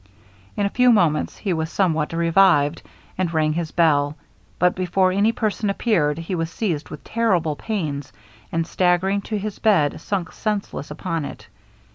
In a few moments he was somewhat revived, and rang his bell; but before any person appeared, he was seized with terrible pains, and staggering to his bed, sunk senseless upon it.